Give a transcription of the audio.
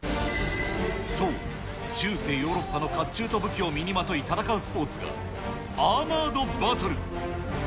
そう、中世ヨーロッパのかっちゅうと武器を身にまとい戦うスポーツが、アーマードバトル。